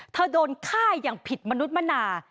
โดนฆ่าอย่างผิดมนุษย์มนา